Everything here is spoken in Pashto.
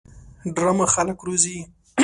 ډرامه خلک روزي